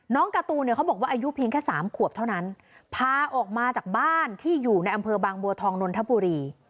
การ์ตูนเนี่ยเขาบอกว่าอายุเพียงแค่สามขวบเท่านั้นพาออกมาจากบ้านที่อยู่ในอำเภอบางบัวทองนนทบุรี